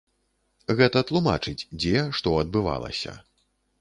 Гэта тлумачыць, дзе што адбывалася.